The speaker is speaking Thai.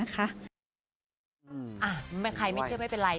ใครไม่เชื่อไม่เป็นไร